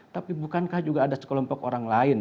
tapi bukankah juga ada sekelompok orang lain